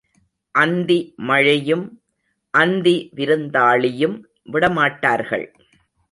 அந்தி மழையும் அந்தி விருந்தாளியும் விடமாட்டார்கள்.